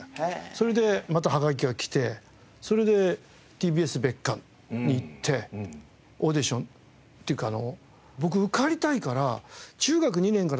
それでまたはがきが来てそれでＴＢＳ別館に行ってオーディションっていうかあの。